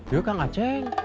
ya kang aceng